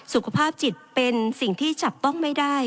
สุขภาพจิตเป็นสิ่งที่จับต้องไม่ได้